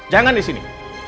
jangan di sini